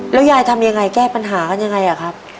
แล้วยายทำยังไงแก้ปัญหากันยังไงอะครับ